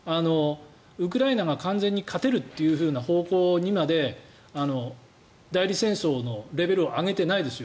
ウクライナが完全に勝てるという方向にまで代理戦争のレベルを上げてないです。